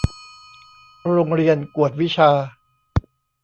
โรงเรียนกวดวิชา